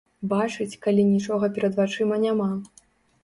Бачыць, калі нічога перад вачыма няма.